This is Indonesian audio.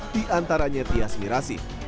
di antaranya tias mirasi